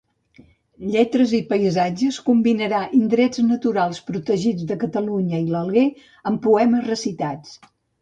Lletres i Paisatges combinarà indrets naturals protegits de Catalunya i l'Alguer amb poemes recitats.